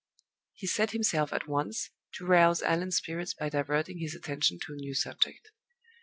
He set himself at once to rouse Allan's spirits by diverting his attention to a new subject.